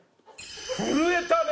震えたね。